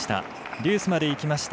デュースまでいきました。